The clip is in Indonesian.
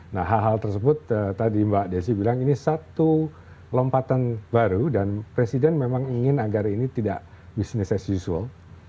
nah hal hal tersebut tadi mbak desi bilang ini satu lompatan baru dan presiden memang ingin agar ini tidak business as usual